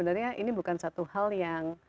sebenarnya ini bukan satu hal yang